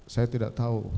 saya tidak tahu